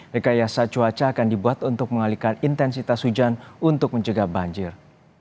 rekayasa cuaca akan dibuat untuk mengalihkan intensitas hujan untuk mencegah banjir